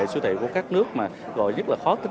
siêu thị của các nước mà gọi rất là khó tính